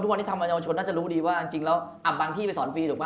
ตอนนี้ทางมจน่าจะรู้ดีว่าอาบบางที่ไปสอนฟรีถูกปะ